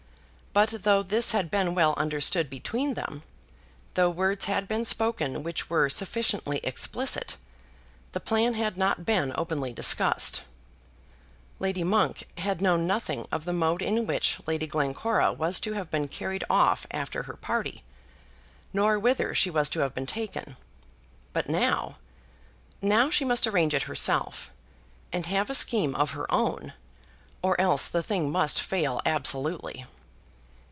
But though this had been well understood between them, though words had been spoken which were sufficiently explicit, the plan had not been openly discussed. Lady Monk had known nothing of the mode in which Lady Glencora was to have been carried off after her party, nor whither she was to have been taken. But now, now she must arrange it herself, and have a scheme of her own, or else the thing must fail absolutely.